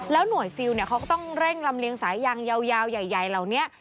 หน่วยซิลเขาก็ต้องเร่งลำเลียงสายยางยาวใหญ่เหล่านี้